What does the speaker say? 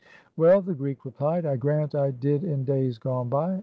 " Well/' the Greek replied, " I grant I did in days gone by.